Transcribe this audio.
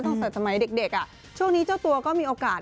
ตั้งแต่สมัยเด็กช่วงนี้เจ้าตัวก็มีโอกาส